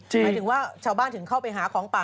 หมายถึงว่าชาวบ้านถึงเข้าไปหาของป่า